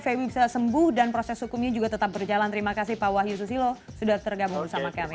febi bisa sembuh dan proses hukumnya juga tetap berjalan terima kasih pak wahyu susilo sudah tergabung bersama kami